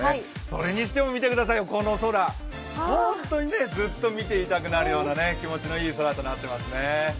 それにしても見てくださいよ、この空、ずっと見ていたくなるような気持ちのいい空となってますね。